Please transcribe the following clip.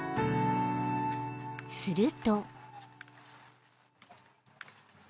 ［すると］